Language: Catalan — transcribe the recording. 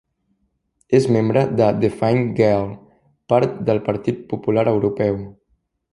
És membre de Fine Gael, part del Partit Popular Europeu.